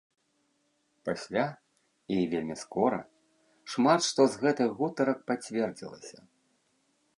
Пасля, і вельмі скора, шмат што з гэтых гутарак пацвердзілася.